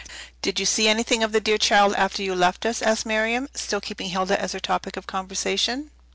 "Did you see anything of the dear child after you left us?" asked Miriam, still keeping Hilda as her topic of conversation.